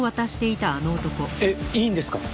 えっいいんですか？